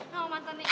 sama mantannya itu